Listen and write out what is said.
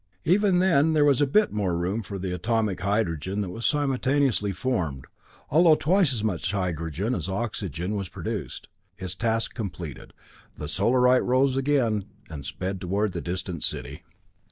Even then there was a bit more room for the atomic hydrogen that was simultaneously formed, although twice as much hydrogen as oxygen was produced. Its task completed, the Solarite rose again and sped toward the distant city.